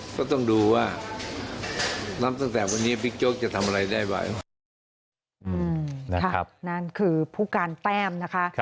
ก็ต้องดูว่านั้นตั้งแต่วันนี้บิ๊กโจ๊กจะทำอะไรได้ไหม